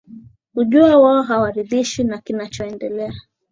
kujua wao hawaridhishwi na kinachoendelea